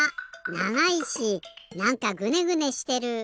ながいしなんかグネグネしてる。